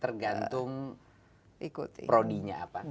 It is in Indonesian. tergantung prodinya apa